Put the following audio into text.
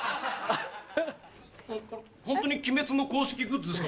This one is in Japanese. ホントに『鬼滅』の公式グッズですか？